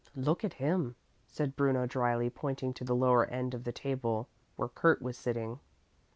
"Look at him," said Bruno dryly, pointing to the lower end of the table where Kurt was sitting.